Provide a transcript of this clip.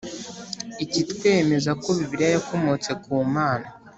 Ikitwemeza ko Bibiliya yakomotse ku Mana